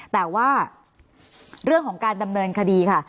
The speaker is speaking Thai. แต่ว่าเรื่องของการดำเนินคดีค่ะ